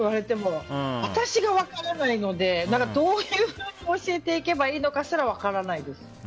私が分からないのでどういうふうに教えていけばいいのかすら分からないです。